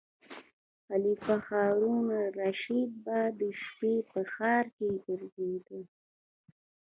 خلیفه هارون الرشید به د شپې په ښار کې ګرځیده.